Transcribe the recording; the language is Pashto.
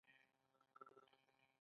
دلته سرعت او ارتفاع مهم رول لري.